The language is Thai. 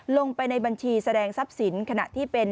ลงไปในบัญชีแสดงทรัพย์สินขณะที่เป็น